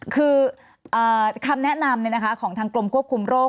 คือคำแนะนำของทางกรมควบคุมโรค